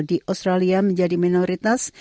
di australia menjadi minoritas